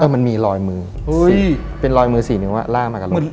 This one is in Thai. มันมีลอยมือเป็นลอยมือสี่นิ้วลากมากับรถ